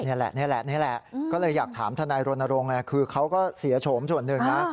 นี่แหละนี่แหละก็เลยอยากถามทนายรณรงค์คือเขาก็เสียโฉมส่วนหนึ่งนะ